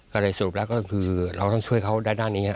ก็เลยสรุปแล้วก็คือเราต้องช่วยเขาด้านนี้ครับ